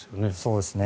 そうですね。